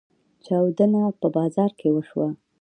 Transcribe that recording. چاودنه په بازار کې وشوه.